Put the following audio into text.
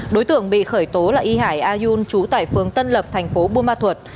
đối tượng bị khởi tố là y hải ayun trú tại phường tân lập thành phố buôn ma thuật